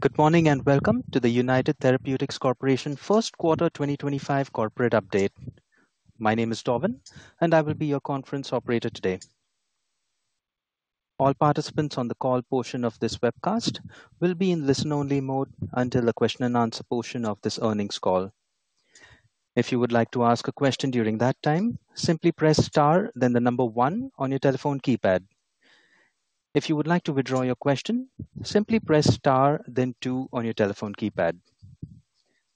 Good morning and welcome to the United Therapeutics Corporation first quarter 2025 corporate update. My name is Doran, and I will be your Conference Operator today. All participants on the call portion of this webcast will be in listen-only mode until the question and answer portion of this earnings call. If you would like to ask a question during that time, simply press star, then the number one on your telephone keypad. If you would like to withdraw your question, simply press star, then two on your telephone keypad.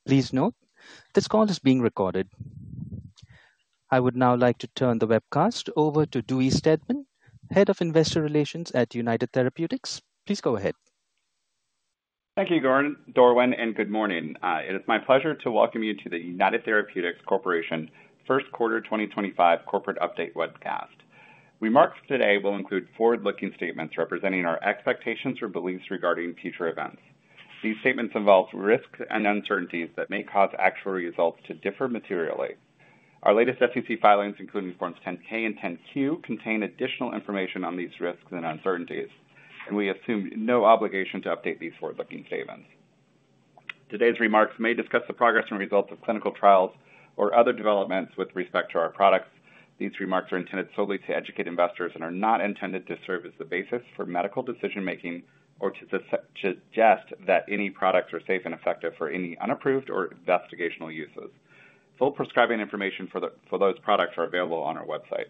Please note, this call is being recorded. I would now like to turn the webcast over to Dewey Steadman, Head of Investor Relations at United Therapeutics. Please go ahead. Thank you, Doran, and good morning. It is my pleasure to welcome you to the United Therapeutics Corporation first quarter 2025 corporate update webcast. Remarks today will include forward-looking statements representing our expectations or beliefs regarding future events. These statements involve risks and uncertainties that may cause actual results to differ materially. Our latest SEC filings, including Forms 10-K and 10-Q, contain additional information on these risks and uncertainties, and we assume no obligation to update these forward-looking statements. Today's remarks may discuss the progress and results of clinical trials or other developments with respect to our products. These remarks are intended solely to educate investors and are not intended to serve as the basis for medical decision-making or to suggest that any products are safe and effective for any unapproved or investigational uses. Full prescribing information for those products is available on our website.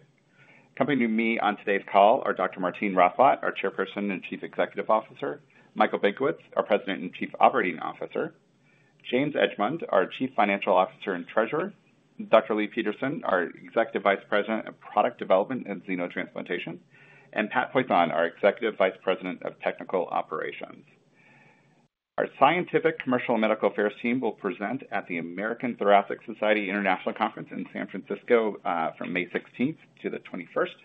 Accompanying me on today's call are Dr. Martine Rothblatt, our Chairperson and Chief Executive Officer, Michael Benkowitz, our President and Chief Operating Officer, James Edgemond, our Chief Financial Officer and Treasurer, Dr. Leigh Peterson, our Executive Vice President of Product Development and Xenotransplantation, and Pat Poisson, our Executive Vice President of Technical Operations. Our scientific, commercial, and medical affairs team will present at the American Thoracic Society International Conference in San Francisco from May 16th to the 21st.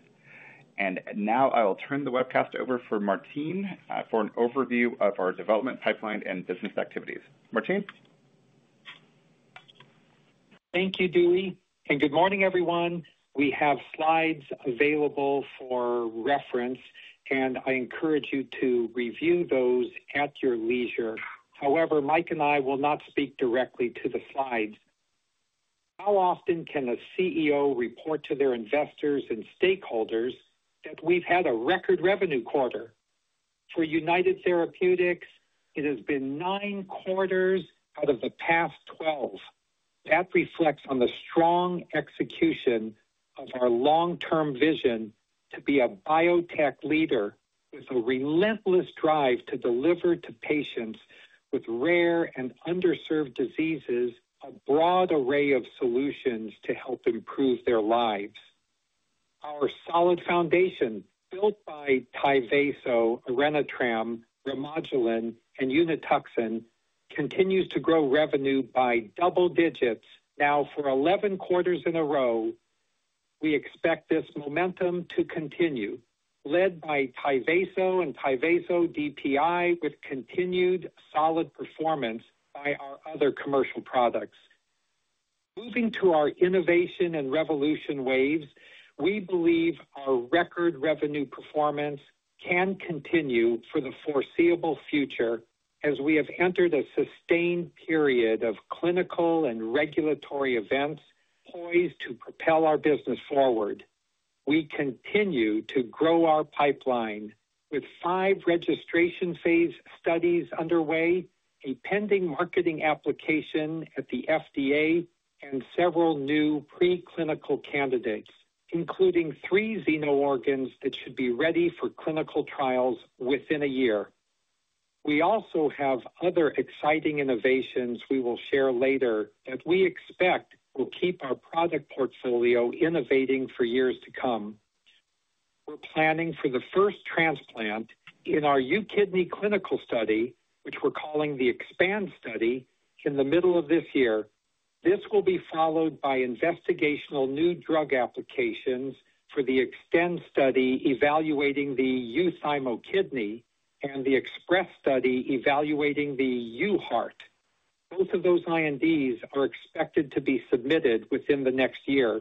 I will now turn the webcast over to Martine for an overview of our development pipeline and business activities. Martine? Thank you, Dewey. Good morning, everyone. We have slides available for reference, and I encourage you to review those at your leisure. However, Mike and I will not speak directly to the slides. How often can a CEO report to their investors and stakeholders that we've had a record revenue quarter? For United Therapeutics, it has been nine quarters out of the past 12. That reflects on the strong execution of our long-term vision to be a biotech leader with a relentless drive to deliver to patients with rare and underserved diseases a broad array of solutions to help improve their lives. Our solid foundation built by Tyvaso, Orenitram, Remodulin, and Unituxin continues to grow revenue by double-digits now for 11 quarters in a row. We expect this momentum to continue, led by Tyvaso and Tyvaso DPI, with continued solid performance by our other commercial products. Moving to our innovation and revolution waves, we believe our record revenue performance can continue for the foreseeable future as we have entered a sustained period of clinical and regulatory events poised to propel our business forward. We continue to grow our pipeline with five registration phase studies underway, a pending marketing application at the FDA, and several new preclinical candidates, including three xeno organs that should be ready for clinical trials within a year. We also have other exciting innovations we will share later that we expect will keep our product portfolio innovating for years to come. We're planning for the first transplant in our UKidney clinical study, which we're calling the EXPAND study, in the middle of this year. This will be followed by investigational new drug applications for the EXTEND study evaluating the UThymoKidney and the EXPRESS study evaluating the UHeart. Both of those INDs are expected to be submitted within the next year.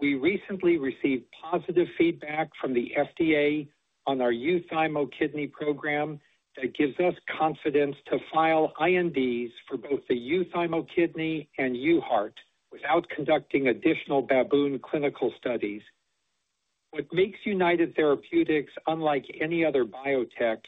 We recently received positive feedback from the FDA on our UThymoKidney program that gives us confidence to file INDs for both the UThymoKidney and UHeart without conducting additional baboon clinical studies. What makes United Therapeutics unlike any other biotech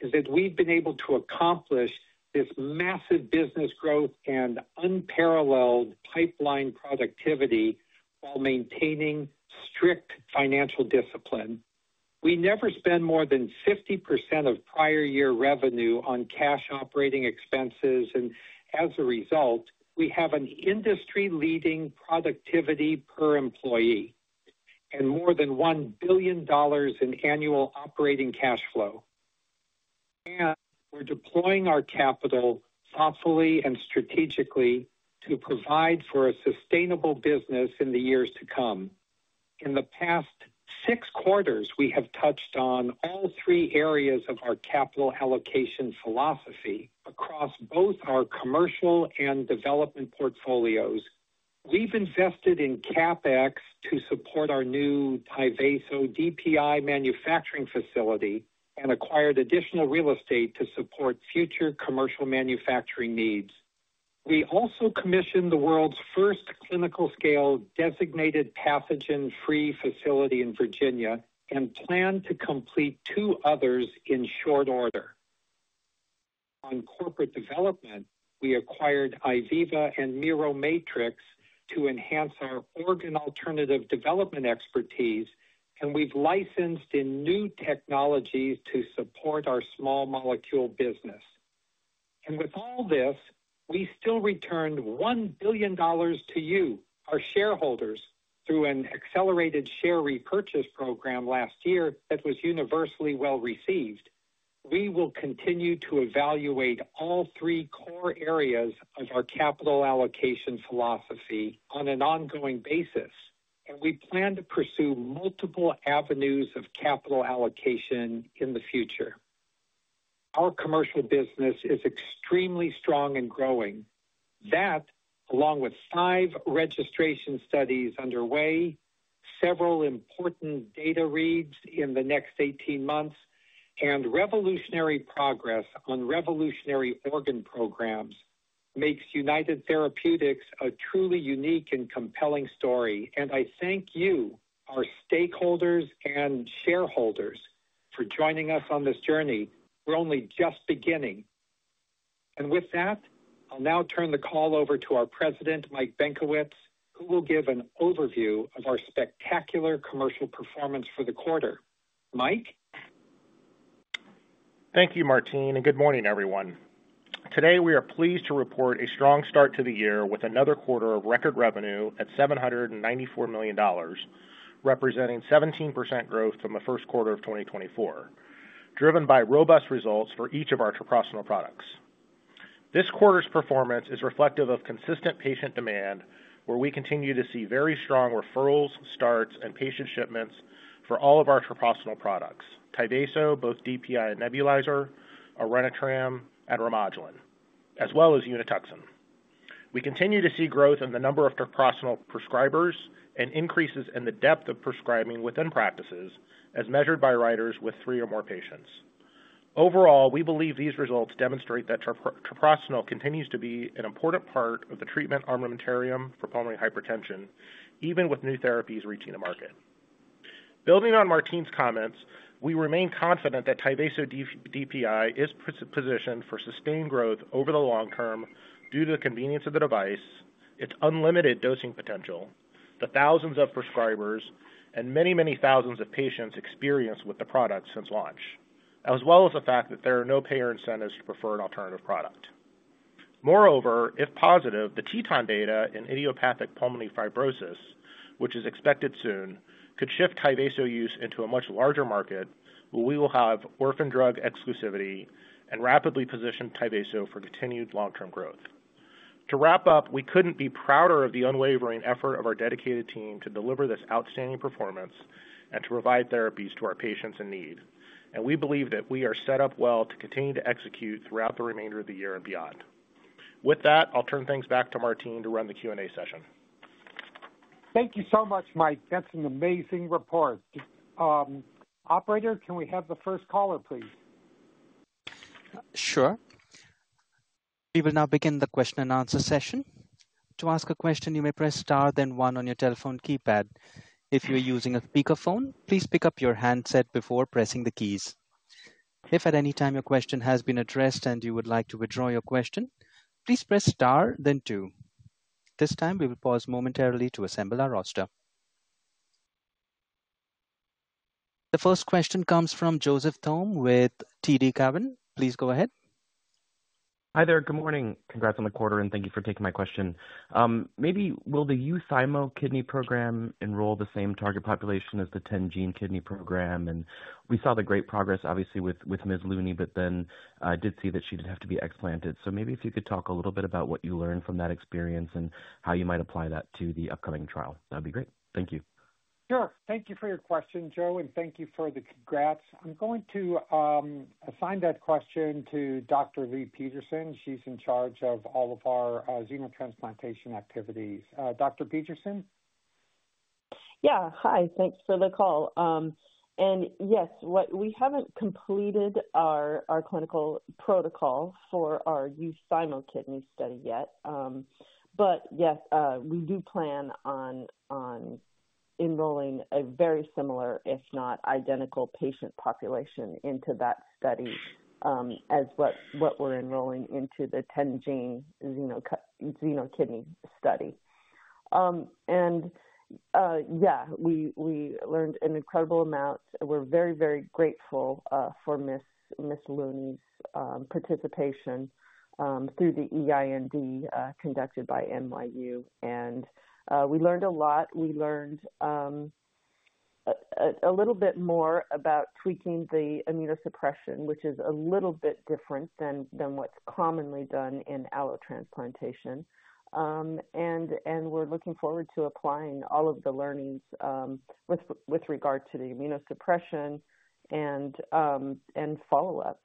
is that we've been able to accomplish this massive business growth and unparalleled pipeline productivity while maintaining strict financial discipline. We never spend more than 50% of prior year revenue on cash operating expenses, and as a result, we have an industry-leading productivity per employee and more than $1 billion in annual operating cash flow. We're deploying our capital thoughtfully and strategically to provide for a sustainable business in the years to come. In the past six quarters, we have touched on all three areas of our capital allocation philosophy across both our commercial and development portfolios. We've invested in CapEx to support our new Tyvaso DPI manufacturing facility and acquired additional real estate to support future commercial manufacturing needs. We also commissioned the world's first clinical-scale designated pathogen-free facility in Virginia and plan to complete two others in short order. On corporate development, we acquired IVIVA and Miromatrix to enhance our organ alternative development expertise, and we've licensed in new technologies to support our small molecule business. With all this, we still returned $1 billion to you, our shareholders, through an accelerated share repurchase program last year that was universally well received. We will continue to evaluate all three core areas of our capital allocation philosophy on an ongoing basis, and we plan to pursue multiple avenues of capital allocation in the future. Our commercial business is extremely strong and growing. That, along with five registration studies underway, several important data reads in the next 18 months, and revolutionary progress on revolutionary organ programs, makes United Therapeutics a truly unique and compelling story. I thank you, our stakeholders and shareholders, for joining us on this journey. We're only just beginning. With that, I'll now turn the call over to our President, Mike Benkowitz, who will give an overview of our spectacular commercial performance for the quarter. Mike. Thank you, Martine, and good morning, everyone. Today, we are pleased to report a strong start to the year with another quarter of record revenue at $794 million, representing 17% growth from the first quarter of 2024, driven by robust results for each of our treprostinil products. This quarter's performance is reflective of consistent patient demand, where we continue to see very strong referrals, starts, and patient shipments for all of our treprostinil products: Tyvaso, both DPI and nebulizer, Orenitram, and Remodulin, as well as Unituxin. We continue to see growth in the number of treprostinil prescribers and increases in the depth of prescribing within practices, as measured by writers with three or more patients. Overall, we believe these results demonstrate that treprostinil continues to be an important part of the treatment armamentarium for pulmonary hypertension, even with new therapies reaching the market. Building on Martine's comments, we remain confident that Tyvaso DPI is positioned for sustained growth over the long-term due to the convenience of the device, its unlimited dosing potential, the thousands of prescribers, and many, many thousands of patients' experience with the product since launch, as well as the fact that there are no payer incentives to prefer an alternative product. Moreover, if positive, the TETON data in idiopathic pulmonary fibrosis, which is expected soon, could shift Tyvaso use into a much larger market, where we will have orphan drug exclusivity and rapidly position Tyvaso for continued long-term growth. To wrap up, we could not be prouder of the unwavering effort of our dedicated team to deliver this outstanding performance and to provide therapies to our patients in need. We believe that we are set up well to continue to execute throughout the remainder of the year and beyond. With that, I'll turn things back to Martine to run the Q&A session. Thank you so much, Mike. That's an amazing report. Operator, can we have the first caller, please? Sure. We will now begin the question and answer session. To ask a question, you may press star then one on your telephone keypad. If you're using a speakerphone, please pick up your handset before pressing the keys. If at any time your question has been addressed and you would like to withdraw your question, please press star then two. At this time, we will pause momentarily to assemble our roster. The first question comes from Joseph Thome with TD Cowen. Please go ahead. Hi there. Good morning. Congrats on the quarter, and thank you for taking my question. Maybe, will the UThymoKidney program enroll the same target population as the 10-gene kidney program? We saw the great progress, obviously, with Ms. Looney, but I did see that she did have to be explanted. Maybe if you could talk a little bit about what you learned from that experience and how you might apply that to the upcoming trial, that would be great. Thank you. Sure. Thank you for your question, Joe, and thank you for the congrats. I'm going to assign that question to Dr. Leigh Peterson. She's in charge of all of our xenotransplantation activities. Dr. Peterson? Yeah. Hi. Thanks for the call. Yes, we haven't completed our clinical protocol for our UThymoKidney study yet. Yes, we do plan on enrolling a very similar, if not identical, patient population into that study as what we're enrolling into the 10-gene xenokidney study. Yeah, we learned an incredible amount. We're very, very grateful for Ms. Looney's participation through the EIND conducted by NYU. We learned a lot. We learned a little bit more about tweaking the immunosuppression, which is a little bit different than what's commonly done in allotransplantation. We're looking forward to applying all of the learnings with regard to the immunosuppression and follow up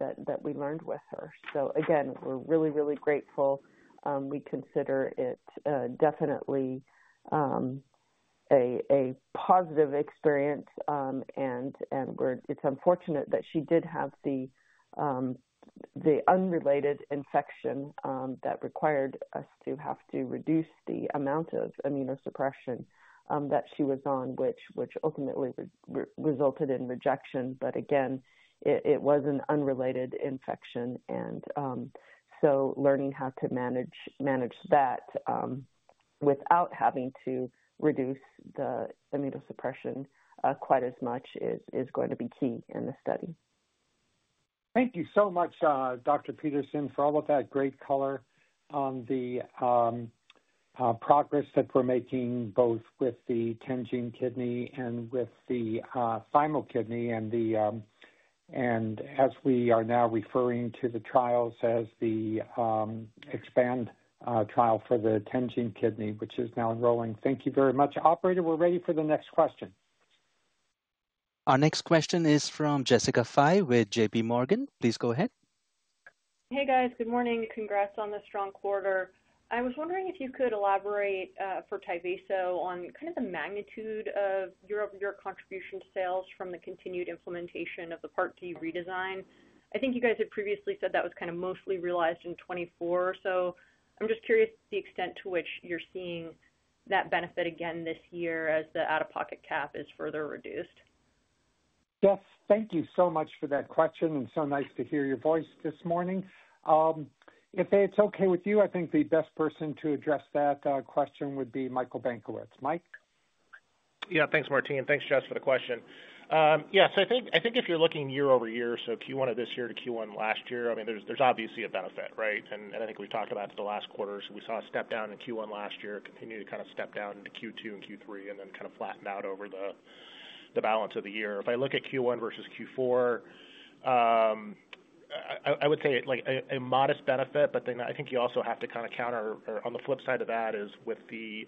that we learned with her. Again, we're really, really grateful. We consider it definitely a positive experience. It is unfortunate that she did have the unrelated infection that required us to have to reduce the amount of immunosuppression that she was on, which ultimately resulted in rejection. Again, it was an unrelated infection. Learning how to manage that without having to reduce the immunosuppression quite as much is going to be key in the study. Thank you so much, Dr. Peterson, for all of that great color on the progress that we're making both with the 10-gene kidney and with the UThymoKidney. As we are now referring to the trials as the EXPAND trial for the 10-gene kidney, which is now enrolling, thank you very much. Operator, we're ready for the next question. Our next question is from Jessica Fye with JPMorgan. Please go ahead. Hey, guys. Good morning. Congrats on the strong quarter. I was wondering if you could elaborate for Tyvaso on kind of the magnitude of your contribution to sales from the continued implementation of the Part D redesign. I think you guys had previously said that was kind of mostly realized in 2024. I am just curious the extent to which you're seeing that benefit again this year as the out-of-pocket cap is further reduced. Yes. Thank you so much for that question. It is so nice to hear your voice this morning. If it is okay with you, I think the best person to address that question would be Michael Benkowitz. Mike? Yeah. Thanks, Martine. Thanks, Jess, for the question. Yeah. I think if you're looking year-over-year, so Q1 of this year to Q1 last year, I mean, there's obviously a benefit, right? I think we've talked about it the last quarter. We saw a step down in Q1 last year, continued to kind of step down into Q2 and Q3, and then kind of flatten out over the balance of the year. If I look at Q1 versus Q4, I would say a modest benefit. I think you also have to kind of counter. On the flip side of that is with the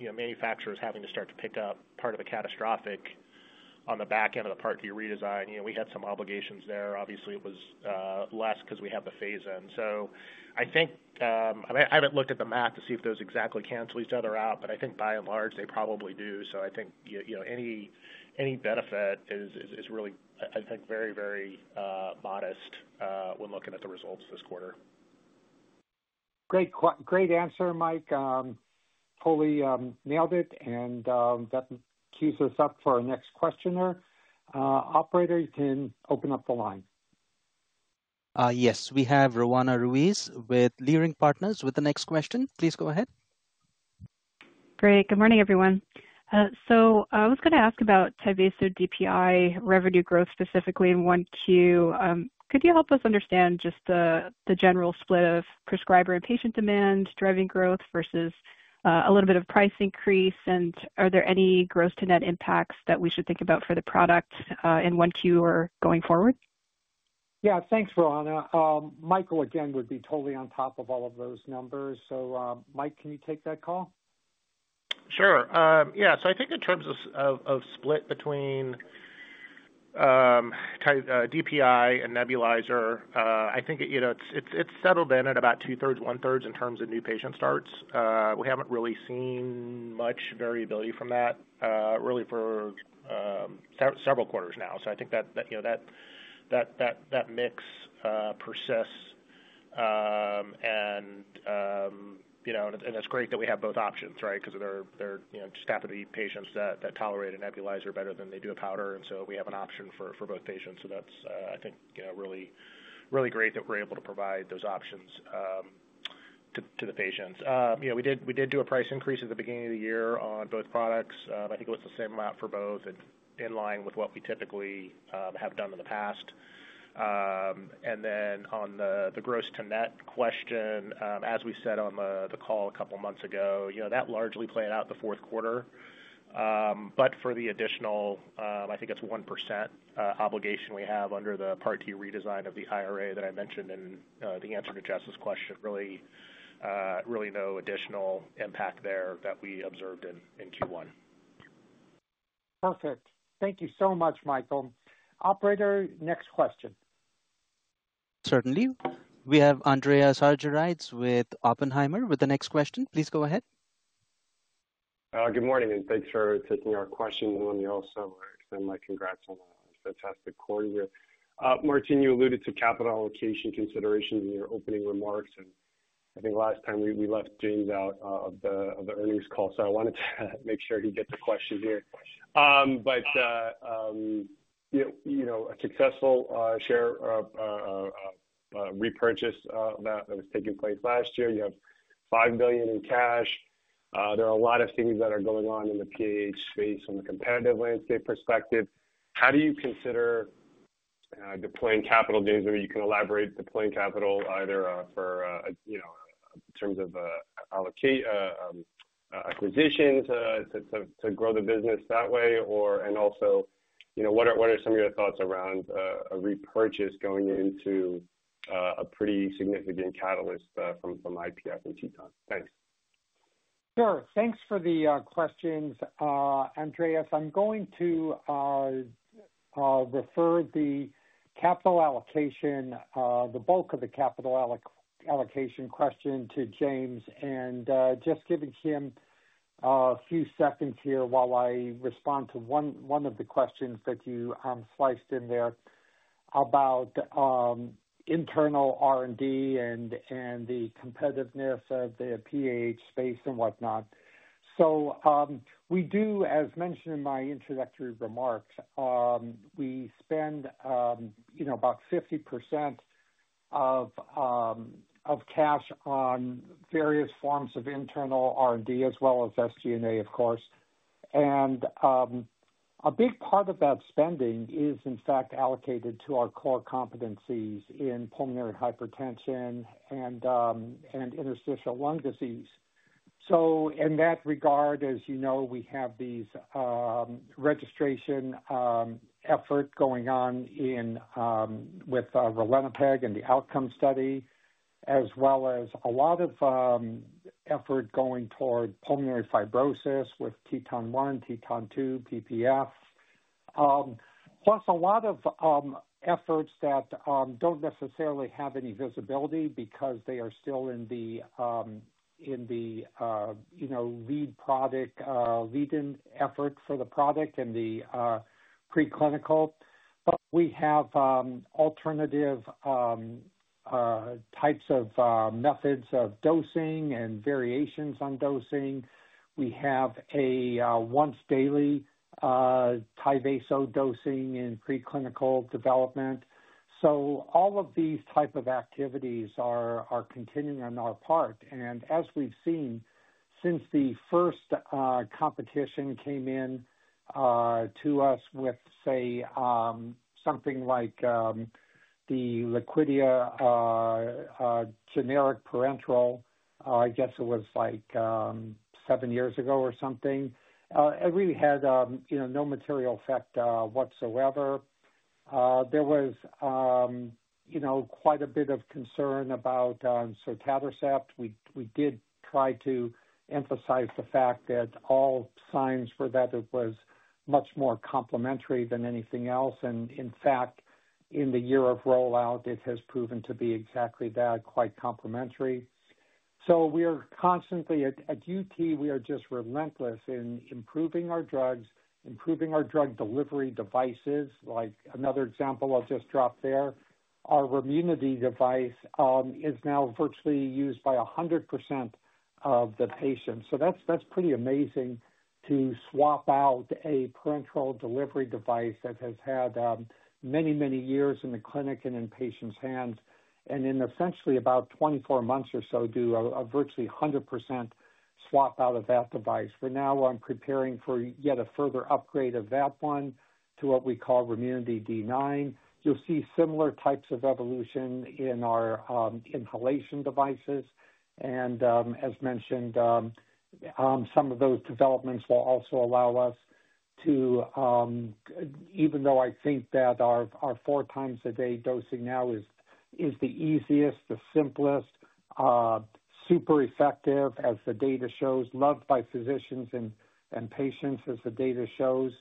manufacturers having to start to pick up part of the catastrophic on the back end of the Part D redesign. We had some obligations there. Obviously, it was less because we have the phase-in. I think I haven't looked at the math to see if those exactly cancel each other out, but I think by and large, they probably do. I think any benefit is really, I think, very, very modest when looking at the results this quarter. Great answer, Mike. Fully nailed it. That queues us up for our next questioner. Operator, you can open up the line. Yes. We have Roanna Ruiz with Leerink Partners with the next question. Please go ahead. Great. Good morning, everyone. I was going to ask about Tyvaso DPI revenue growth specifically in 1Q. Could you help us understand just the general split of prescriber and patient demand driving growth versus a little bit of price increase? Are there any gross-to-net impacts that we should think about for the product in 1Q or going forward? Yeah. Thanks, Roanna. Michael, again, would be totally on top of all of those numbers. So Mike, can you take that call? Sure. Yeah. I think in terms of split between DPI and nebulizer, I think it's settled in at about 2/3, 1/3 in terms of new patient starts. We haven't really seen much variability from that really for several quarters now. I think that mix persists. It's great that we have both options, right, because there just happen to be patients that tolerate a nebulizer better than they do a powder. We have an option for both patients. That's, I think, really great that we're able to provide those options to the patients. We did do a price increase at the beginning of the year on both products. I think it was the same amount for both and in line with what we typically have done in the past. On the gross-to-net question, as we said on the call a couple of months ago, that largely played out the fourth quarter. For the additional, I think it's 1% obligation we have under the Part D redesign of the IRA that I mentioned in the answer to Jess' question, really no additional impact there that we observed in Q1. Perfect. Thank you so much, Michael. Operator, next question. Certainly. We have Andreas Argyrides with Oppenheimer with the next question. Please go ahead. Good morning. Thanks for taking our questions. Let me also extend my congrats on a fantastic quarter here. Martine, you alluded to capital allocation considerations in your opening remarks. I think last time we left James out of the earnings call. I wanted to make sure he gets a question here. A successful repurchase was taking place last year. You have $5 billion in cash. There are a lot of things that are going on in the PAH space from a competitive landscape perspective. How do you consider deploying capital, James? You can elaborate deploying capital either in terms of acquisitions to grow the business that way. Also, what are some of your thoughts around a repurchase going into a pretty significant catalyst from IPF and TETON? Thanks. Sure. Thanks for the questions. Andreas, I'm going to refer the capital allocation, the bulk of the capital allocation question to James. Just giving him a few seconds here while I respond to one of the questions that you sliced in there about internal R&D and the competitiveness of the PAH space and whatnot. We do, as mentioned in my introductory remarks, spend about 50% of cash on various forms of internal R&D, as well as SG&A, of course. A big part of that spending is, in fact, allocated to our core competencies in pulmonary hypertension and interstitial lung disease. In that regard, as you know, we have this registration effort going on with ralinepag and the outcome study, as well as a lot of effort going toward pulmonary fibrosis with TETON 1, TETON 2, PPF. Plus a lot of efforts that do not necessarily have any visibility because they are still in the lead product lead-in effort for the product and the preclinical. We have alternative types of methods of dosing and variations on dosing. We have a once-daily Tyvaso dosing in preclinical development. All of these types of activities are continuing on our part. As we have seen since the first competition came in to us with, say, something like the Liquidia generic parenteral, I guess it was like seven years ago or something, it really had no material effect whatsoever. There was quite a bit of concern about sotatercept. We did try to emphasize the fact that all signs were that it was much more complementary than anything else. In fact, in the year of rollout, it has proven to be exactly that, quite complementary. We are constantly at UT, we are just relentless in improving our drugs, improving our drug delivery devices. Like another example I'll just drop there, our Remunity device is now virtually used by 100% of the patients. That's pretty amazing to swap out a parenteral delivery device that has had many, many years in the clinic and in patients' hands. In essentially about 24 months or so, do a virtually 100% swap out of that device. We're now preparing for yet a further upgrade of that one to what we call Remunity D9. You'll see similar types of evolution in our inhalation devices. As mentioned, some of those developments will also allow us to, even though I think that our 4x a day dosing now is the easiest, the simplest, super effective, as the data shows, loved by physicians and patients, as the data shows.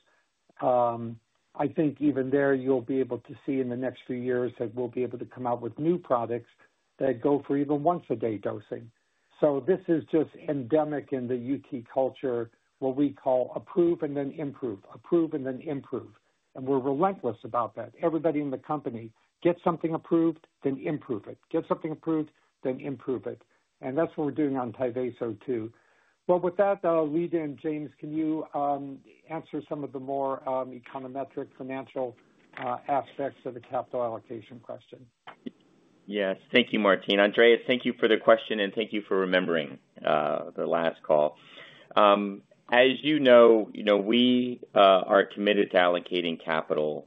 I think even there, you'll be able to see in the next few years that we'll be able to come out with new products that go for even once-a-day dosing. This is just endemic in the UT culture, what we call approve and then improve, approve and then improve. We're relentless about that. Everybody in the company, get something approved, then improve it. Get something approved, then improve it. That's what we're doing on Tyvaso too. With that lead in, James, can you answer some of the more econometric financial aspects of the capital allocation question? Yes. Thank you, Martine. Andreas, thank you for the question. Thank you for remembering the last call. As you know, we are committed to allocating capital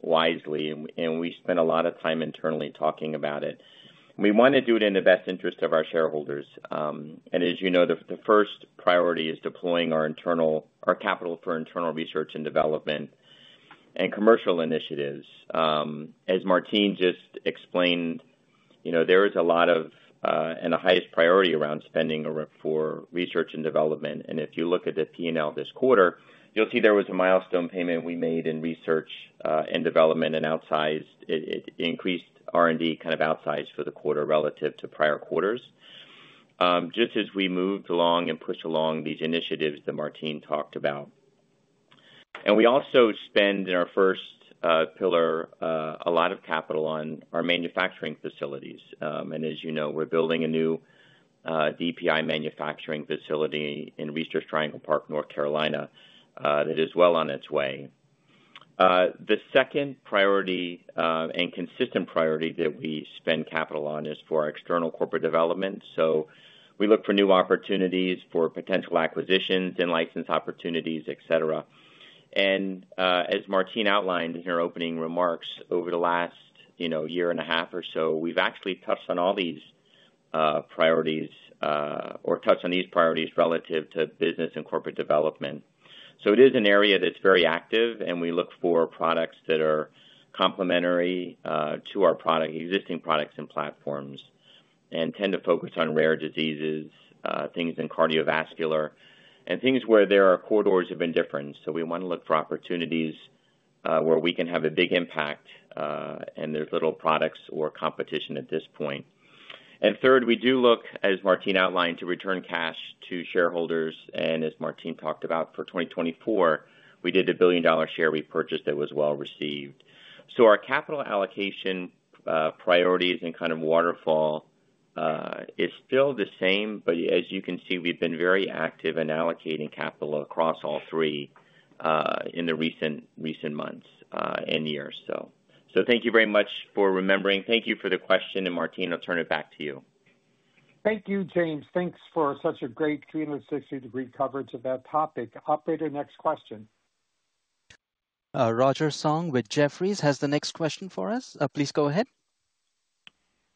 wisely. We spend a lot of time internally talking about it. We want to do it in the best interest of our shareholders. As you know, the first priority is deploying our capital for internal research and development and commercial initiatives. As Martine just explained, there is a lot of and the highest priority around spending for research and development. If you look at the P&L this quarter, you'll see there was a milestone payment we made in research and development and outsized. It increased R&D kind of outsized for the quarter relative to prior quarters, just as we moved along and pushed along these initiatives that Martine talked about. We also spend in our first pillar a lot of capital on our manufacturing facilities. As you know, we're building a new DPI manufacturing facility in Research Triangle Park, North Carolina, that is well on its way. The second priority and consistent priority that we spend capital on is for external corporate development. We look for new opportunities for potential acquisitions and license opportunities, etc. As Martine outlined in her opening remarks over the last year and a half or so, we've actually touched on all these priorities or touched on these priorities relative to business and corporate development. It is an area that's very active. We look for products that are complementary to our existing products and platforms and tend to focus on rare diseases, things in cardiovascular, and things where there are corridors of indifference. We want to look for opportunities where we can have a big impact and there is little products or competition at this point. Third, we do look, as Martine outlined, to return cash to shareholders. As Martine talked about for 2024, we did a billion-dollar share repurchase that was well received. Our capital allocation priorities and kind of waterfall is still the same. As you can see, we have been very active in allocating capital across all three in the recent months and years. Thank you very much for remembering. Thank you for the question. Martine, I will turn it back to you. Thank you, James. Thanks for such a great 360-degree coverage of that topic. Operator, next question. Roger Song with Jefferies has the next question for us. Please go ahead.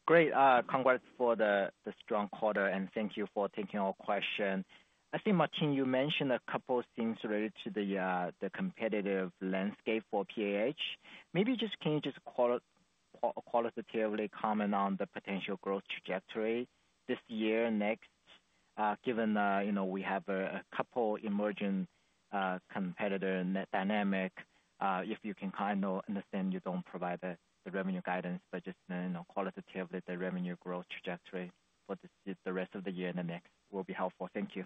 Great. Congrats for the strong quarter. Thank you for taking our question. I think, Martine, you mentioned a couple of things related to the competitive landscape for PAH. Maybe can you just qualitatively comment on the potential growth trajectory this year, next, given we have a couple of emerging competitor dynamic? If you can kind of understand, you do not provide the revenue guidance, but just qualitatively the revenue growth trajectory for the rest of the year and the next will be helpful. Thank you.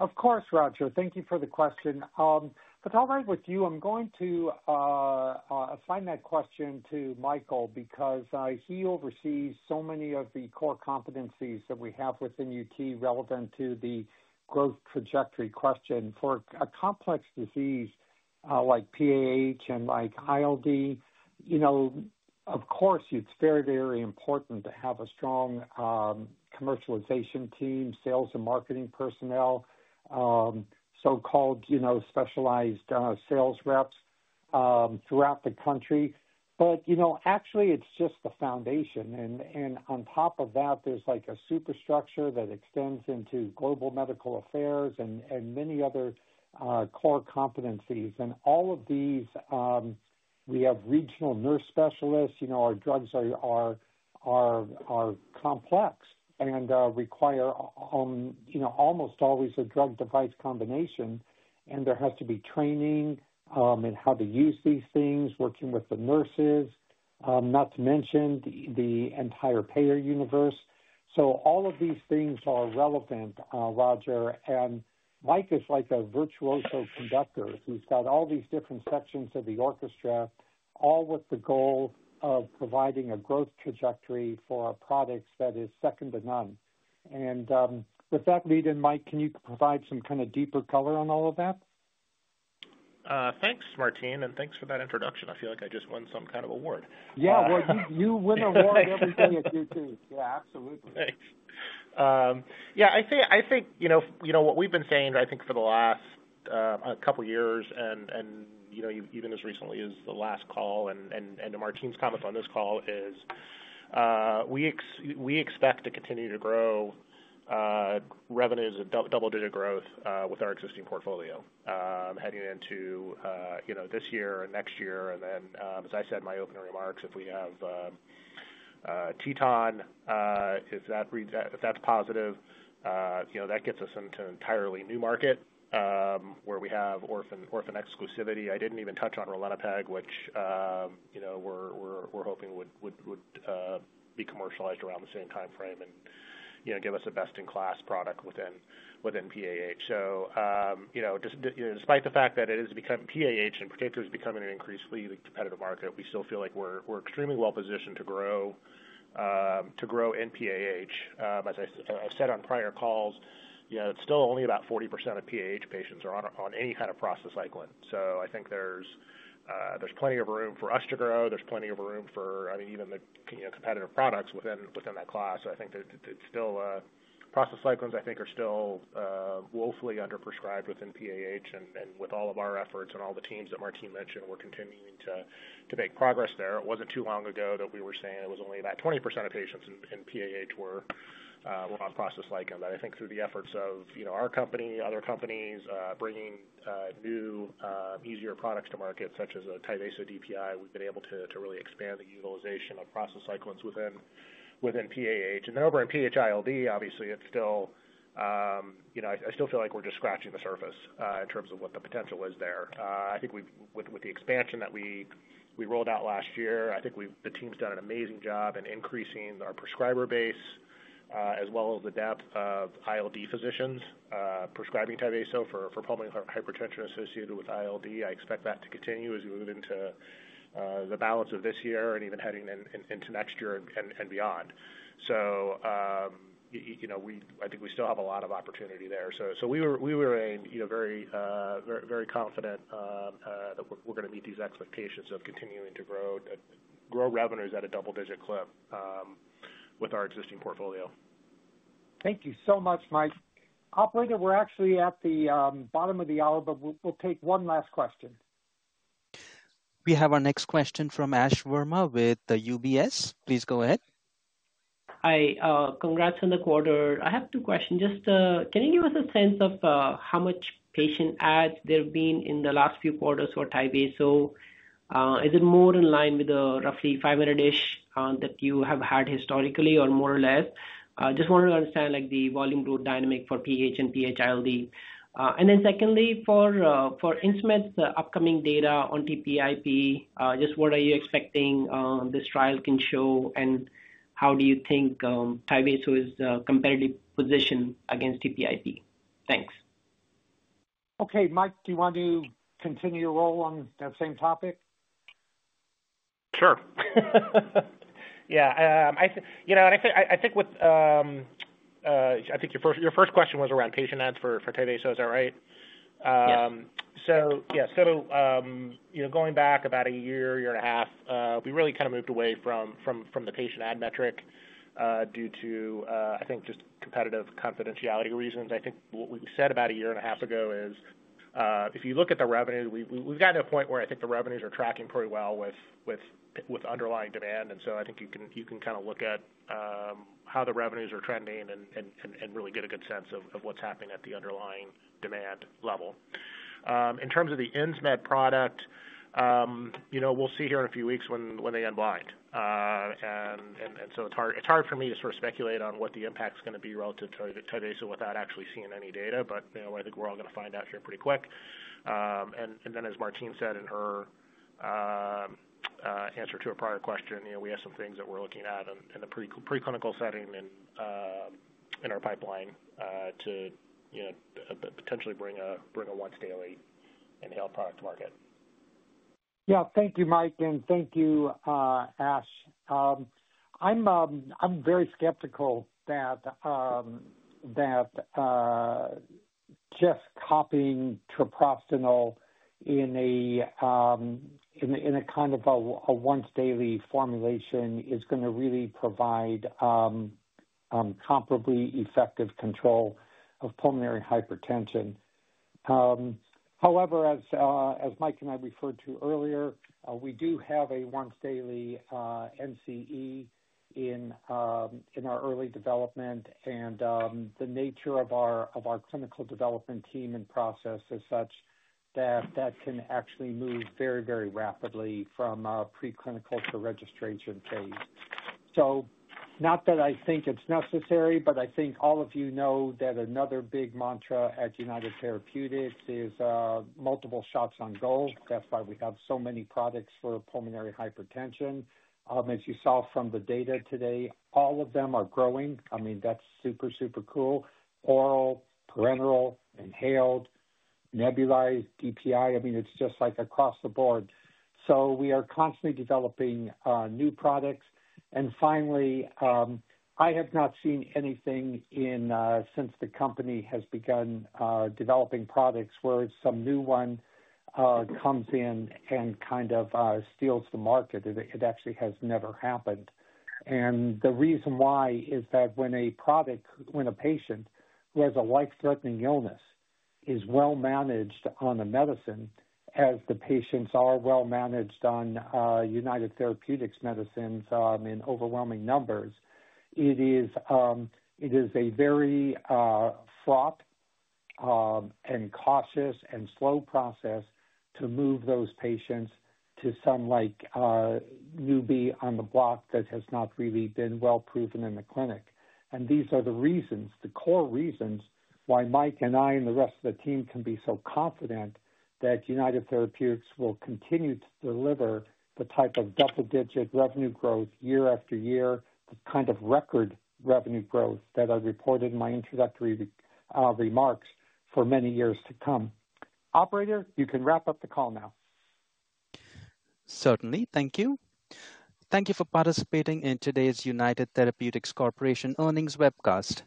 Of course, Roger. Thank you for the question. If it's all right with you, I'm going to assign that question to Michael because he oversees so many of the core competencies that we have within UT relevant to the growth-trajectory question. For a complex disease like PAH and like ILD, of course, it's very, very important to have a strong commercialization team, sales and marketing personnel, so-called specialized sales reps throughout the country. Actually, it's just the foundation. On top of that, there's a superstructure that extends into global medical affairs and many other core competencies. All of these, we have regional nurse specialists. Our drugs are complex and require almost always a drug-device combination. There has to be training in how to use these things, working with the nurses, not to mention the entire payer universe. All of these things are relevant, Roger. Mike is like a virtuoso conductor who's got all these different sections of the orchestra, all with the goal of providing a growth trajectory for our products that is second to none. With that lead in, Mike, can you provide some kind of deeper color on all of that? Thanks, Martine. Thanks for that introduction. I feel like I just won some kind of award. Yeah. You win awards every day at UT. Yeah, absolutely. Thanks. Yeah. I think what we've been saying, I think, for the last couple of years and even as recently as the last call and to Martine's comments on this call is we expect to continue to grow revenues and double-digit growth with our existing portfolio heading into this year or next year. As I said in my opening remarks, if we have TETON, if that's positive, that gets us into an entirely new market where we have orphan exclusivity. I didn't even touch on ralinepag, which we're hoping would be commercialized around the same timeframe and give us a best-in-class product within PAH. Despite the fact that it is becoming, PAH in particular is becoming an increasingly competitive market, we still feel like we're extremely well-positioned to grow in PAH. As I've said on prior calls, still only about 40% of PAH patients are on any kind of prostacyclin. I think there's plenty of room for us to grow. There's plenty of room for, I mean, even the competitive products within that class. I think that it's still prostacyclins, I think, are still woefully underprescribed within PAH. With all of our efforts and all the teams that Martine mentioned, we're continuing to make progress there. It wasn't too long ago that we were saying it was only about 20% of patients in PAH were on prostacyclin. I think through the efforts of our company, other companies, bringing new, easier products to market, such as a Tyvaso DPI, we've been able to really expand the utilization of prostacyclins within PAH. Over in PH-ILD, obviously, I still feel like we're just scratching the surface in terms of what the potential is there. I think with the expansion that we rolled out last year, the team's done an amazing job in increasing our prescriber base as well as the depth of ILD physicians prescribing Tyvaso for pulmonary hypertension associated with ILD. I expect that to continue as we move into the balance of this year and even heading into next year and beyond. I think we still have a lot of opportunity there. We are very confident that we're going to meet these expectations of continuing to grow revenues at a double-digit clip with our existing portfolio. Thank you so much, Mike. Operator, we're actually at the bottom of the hour, but we'll take one last question. We have our next question from Ash Verma with UBS. Please go ahead. Hi. Congrats on the quarter. I have two questions. Just can you give us a sense of how much patient adds there have been in the last few quarters for Tyvaso? Is it more in line with roughly 500-ish that you have had historically or more or less? Just want to understand the volume growth dynamic for PAH and PH-ILD. Secondly, for Insmed's upcoming data on TPIP, just what are you expecting this trial can show? How do you think Tyvaso is a competitive position against TPIP? Thanks. Okay. Mike, do you want to continue your role on that same topic? Sure. Yeah. I think your first question was around patient adds for Tyvaso, is that right? Yes. Yeah. Going back about a year, year and a half, we really kind of moved away from the patient add metric due to, I think, just competitive confidentiality reasons. I think what we said about a year and a half ago is if you look at the revenue, we've gotten to a point where I think the revenues are tracking pretty well with underlying demand. I think you can kind of look at how the revenues are trending and really get a good sense of what's happening at the underlying demand level. In terms of the Insmed product, we'll see here in a few weeks when they unblind. It's hard for me to sort of speculate on what the impact's going to be relative to Tyvaso without actually seeing any data. I think we're all going to find out here pretty quick. As Martine said in her answer to a prior question, we have some things that we're looking at in the preclinical setting and in our pipeline to potentially bring a once-daily inhaled product to market. Yeah. Thank you, Mike. Thank you, Ash. I'm very skeptical that just copying treprostinil in a kind of a once-daily formulation is going to really provide comparably effective control of pulmonary hypertension. However, as Mike and I referred to earlier, we do have a once-daily NCE in our early development. The nature of our clinical development team and process is such that that can actually move very, very rapidly from preclinical to registration phase. Not that I think it's necessary, but I think all of you know that another big mantra at United Therapeutics is multiple shots on goal. That's why we have so many products for pulmonary hypertension. As you saw from the data today, all of them are growing. I mean, that's super, super cool. Oral, parenteral, inhaled, nebulized, DPI. I mean, it's just like across the board. We are constantly developing new products. I have not seen anything since the company has begun developing products where some new one comes in and kind of steals the market. It actually has never happened. The reason why is that when a patient who has a life-threatening illness is well-managed on a medicine, as the patients are well-managed on United Therapeutics medicines in overwhelming numbers, it is a very fraught and cautious and slow process to move those patients to some newbie on the block that has not really been well-proven in the clinic. These are the reasons, the core reasons why Mike and I and the rest of the team can be so confident that United Therapeutics will continue to deliver the type of double-digit revenue growth year after year, the kind of record revenue growth that I reported in my introductory remarks for many years to come. Operator, you can wrap up the call now. Certainly. Thank you. Thank you for participating in today's United Therapeutics Corporation earnings webcast.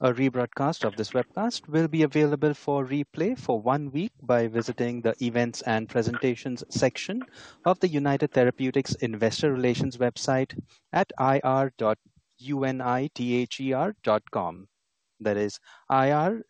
A rebroadcast of this webcast will be available for replay for one week by visiting the events and presentations section of the United Therapeutics Investor Relations website at I-R dot U-N-I-T-H-E-R dot com. That is ir.unither.com.